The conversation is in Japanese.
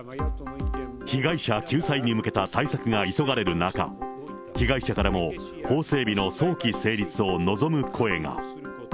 被害者救済に向けた対策が急がれる中、被害者からも法整備の早期成立を望む声が。